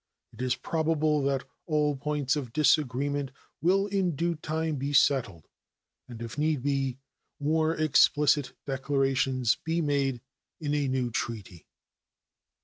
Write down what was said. It is probable that all points of disagreement will in due time be settled, and, if need be, more explicit declarations be made in a new treaty.